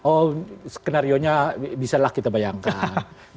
oh skenario nya bisalah kita bayangkan